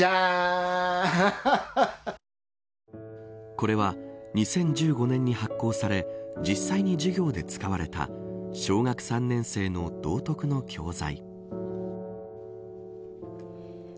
これは２０１５年に発行され実際に授業で使われた小学３年生の道徳の教材。